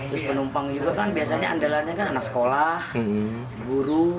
terus penumpang juga kan biasanya andalannya kan anak sekolah guru